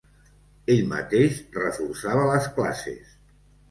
Ell mateix reforçava les classes.